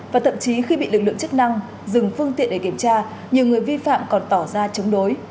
và thậm chí khi bị lực lượng chức năng dừng phương tiện để kiểm tra nhiều người vi phạm còn tỏ ra chống đối